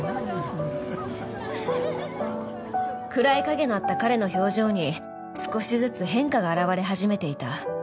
暗い影のあった彼の表情に少しずつ変化が表れ始めていた。